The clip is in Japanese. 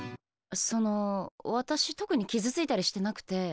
その私特に傷ついたりしてなくて。